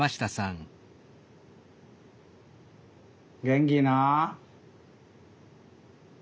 元気なん？